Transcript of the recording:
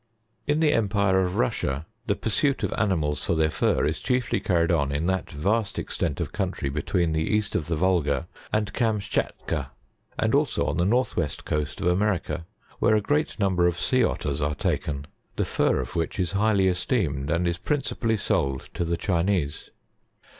] 73. In the empire of Russia, the pursuit of animals for their fur is chiefly carried on in that vast extent of country between the east of the Volga, and Kamtschatka, and also on the north west coast of America, where a great number of Sea Ottters are taken, the fur of which is highly esteemed, and is principally sold to the Chinese.